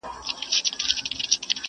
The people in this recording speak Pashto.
د سبا نری شماله د خدای روی مي دی دروړی٫